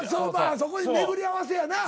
そこに巡り合わせやな。